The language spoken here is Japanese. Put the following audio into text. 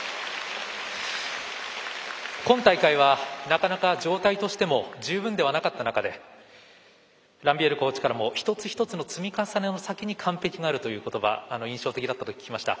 今大会はなかなか状態としても十分ではなかった中でランビエールコーチからも一つ一つの積み重ねの先に完璧があるという言葉が印象的だったと聞きました。